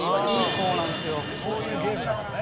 そういうゲームだからね。